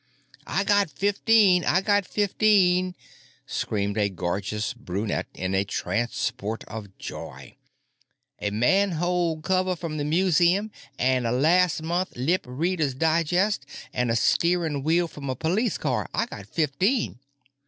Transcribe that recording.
"I got fifteen! I got fifteen!" screamed a gorgeous brunette in a transport of joy. "A manhole cover from the museum an' a las' month Lipreaders Digest an' a steering wheel from a police car! I got fifteen!"